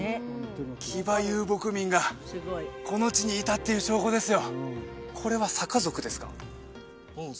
騎馬遊牧民がこの地にいたっていう証拠ですよ